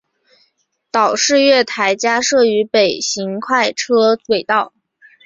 岛式月台加设于北行快车轨道。